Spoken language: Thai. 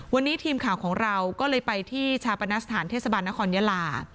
วันนี้ทีมข่าวของเราก็เลยไปที่ชาปนสถานเทศบาลนครยาลา